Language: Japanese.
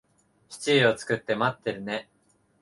シチュー作って待ってるね。